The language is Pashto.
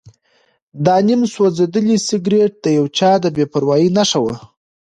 دا نیم سوځېدلی سګرټ د یو چا د بې پروایۍ نښه وه.